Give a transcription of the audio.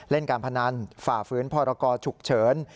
เล่นการพนันฝ่าฝืนพรกรฉุกเฉิน